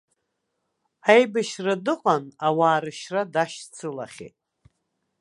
Аибашьра дыҟан, ауаа рышьра дашьцылахьеит.